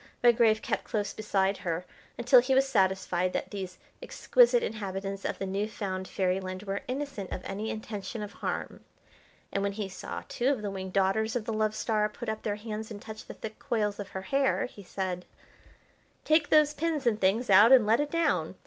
Redgrave kept close beside her until he was satisfied that these exquisite inhabitants of the new found fairyland were innocent of any intention of harm, and when he saw two of the winged daughters of the Love Star put up their hands and touch the thick coils of her hair, he said: "Take those pins and things out and let it down.